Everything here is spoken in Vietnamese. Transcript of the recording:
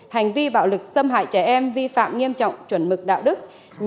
hành vi bạo lực xâm hại trẻ em vi phạm nghiêm trọng chuẩn mực đạo đức